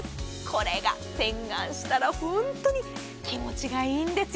これが、洗顔したら本当に気持ちがいいんです。